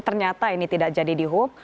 ternyata ini tidak jadi dihub